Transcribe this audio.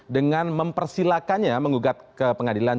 dengan mempersilahkannya mengugat ke pengadilan